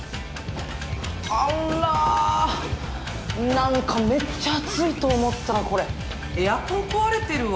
なんかめっちゃ暑いと思ったらこれエアコン壊れてるわ！